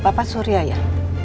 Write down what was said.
bapak surya ya